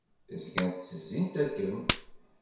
Zgant ttezzint akken.